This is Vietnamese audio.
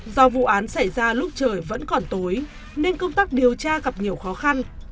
do vụ án xảy ra lúc trời vẫn còn tối nên công tác điều tra gặp nhiều khó khăn